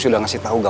too bug ini tuh